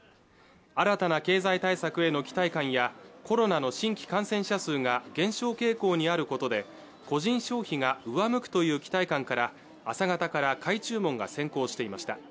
新たな経済対策への期待感やコロナの新規感染者数が減少傾向にあることで個人消費が上向くという期待感から朝方から買い注文が先行していました